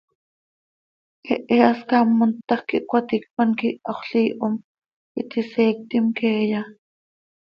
¿Hehe hascám montaj quih cöcaticpan quih Haxöl Iihom iti seectim queeya?